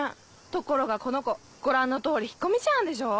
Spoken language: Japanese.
ところがこのコご覧の通り引っ込み思案でしょ？